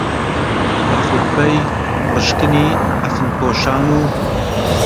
بە خوتبەی ڕشکنی کفنپۆشان و